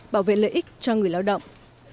bảo vệ lợi ích cho người lao động